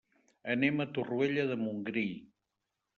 Anem a Torroella de Montgrí.